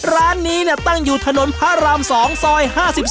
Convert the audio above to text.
ร้านนี้ตั้งอยู่ถนนพระราม๒ซอย๕๒